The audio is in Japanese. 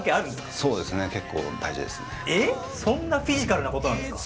そんなフィジカルなことなんですか？